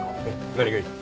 何がいい？